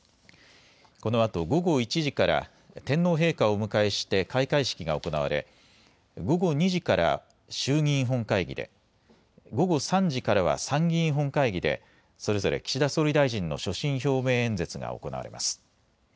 このあと午後１時から天皇陛下をお迎えして開会式が行われ、午後２時から衆議院本会議で、午後３時からは参議院本会議でそれぞれ岸田総理大臣の所信表明演説が行われます。